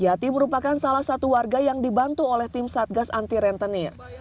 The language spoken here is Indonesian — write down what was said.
yati merupakan salah satu warga yang dibantu oleh tim satgas anti rentenir